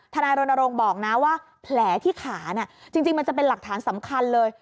นายรณรงค์บอกนะว่าแผลที่ขาจริงมันจะเป็นหลักฐานสำคัญเลย